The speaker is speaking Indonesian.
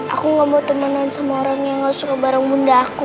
aku gak mau temenan sama orang yang gak suka bareng bunda aku